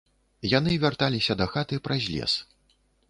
Яны вярталіся дахаты праз лес.